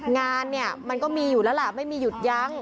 งานเนี่ยมันก็มีอยู่แล้วล่ะไม่มีหยุดยั้ง